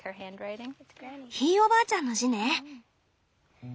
ひいおばあちゃんの字ね。